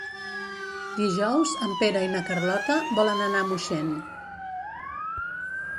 Dijous en Pere i na Carlota volen anar a Moixent.